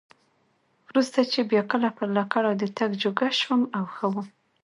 وروسته چې بیا کله پر لکړو د تګ جوګه شوم او ښه وم.